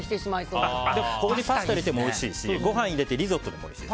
ここにパスタを入れてもおいしいしご飯を入れてリゾットにも。